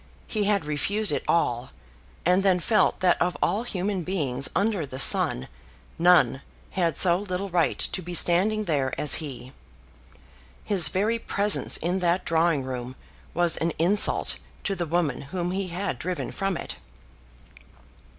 He had refused it all, and then felt that of all human beings under the sun none had so little right to be standing there as he. His very presence in that drawing room was an insult to the woman whom he had driven from it.